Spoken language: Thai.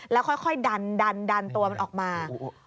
แล้วค่อยดันตัวมันออกมา